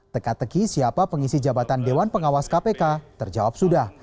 teka teki siapa pengisi jabatan dewan pengawas kpk terjawab sudah